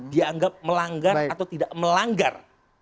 dianggap melanggar atau tidak melanggar